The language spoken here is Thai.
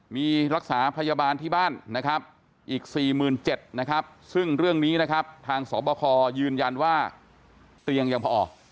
มีรักษาพยาบาลที่บ้านอีก๔๗๐๐๐ซึ่งเรื่องนี้ทางสบคยืนยันว่าเตียงยังพอ